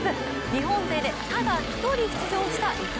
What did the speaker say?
日本勢でただ１人出場した伊藤。